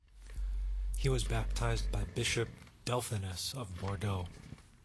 He was baptized by Bishop Delphinus of Bordeaux.